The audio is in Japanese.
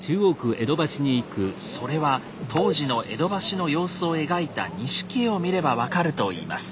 それは当時の江戸橋の様子を描いた錦絵を見れば分かるといいます。